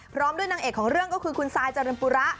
พร้อมด้วยนางเอกของเรื่องก็คือคุณซายเจริญปุระ